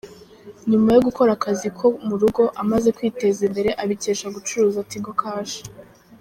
Nyuma yo gukora akazi ko mu rugo amaze kwiteza imbere abikesha gucuruza Tigo Cash